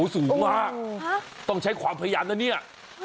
สูงมากต้องใช้ความพยายามนะเนี่ย